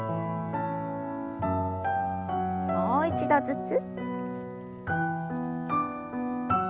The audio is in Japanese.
もう一度ずつ。